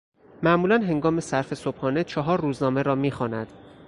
معمولا هنگام صرف صبحانه چهار روزنامه را میخواند